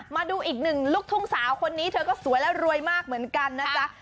มาดูอีกหนึ่งลูกทุ่งสาวคนนี้เธอก็สวยและรวยมากเหมือนกันนะจ๊ะ